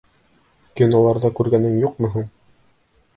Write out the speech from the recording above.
— Киноларҙа күргәнең юҡмы һуң?..